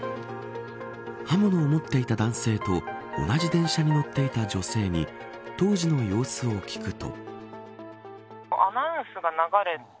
刃物を持っていた男性と同じ電車に乗っていた女性に当時の様子を聞くと。